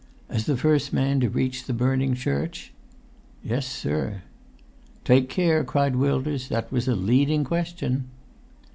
"As the first man to reach the burning church?" "Yes, sir." "Take care!" cried Wilders. "That was a leading question."